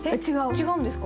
違うんですか？